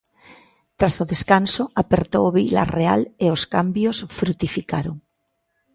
Tras o descanso apertou o Vilarreal e os cambios frutificaron.